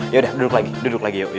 ya udah duduk lagi duduk lagi